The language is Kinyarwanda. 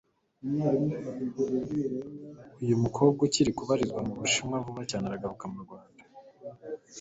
uyu mukobwa ukiri kubarizwa mu bushinwa vuba cyane aragaruka mu rwanda